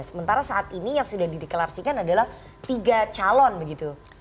sementara saat ini yang sudah dideklarasikan adalah tiga calon begitu